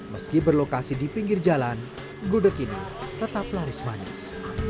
meski berlokasi di pinggir jalan gudeg ini tetap laris manis